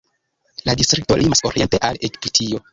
La distrikto limas oriente al Egiptio.